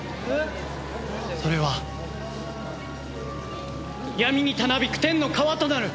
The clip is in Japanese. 「それは闇にたなびく天の川となる」